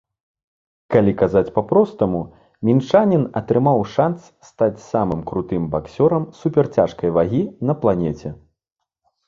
Калі казаць па-простаму, мінчанін атрымаў шанц стаць самым крутым баксёрам суперцяжкай вагі на планеце.